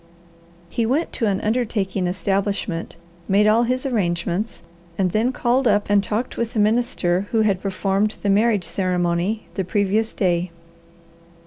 He went to an undertaking establishment, made all his arrangements, and then called up and talked with the minister who had performed the marriage ceremony the previous day.